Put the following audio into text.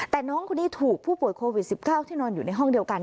แต่น้องคนนี้ถูกผู้ป่วยโควิด๑๙ที่นอนอยู่ในห้องเดียวกัน